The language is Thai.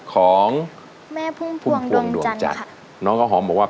เพลงที่๖ของน้องข้าวหอมมาครับ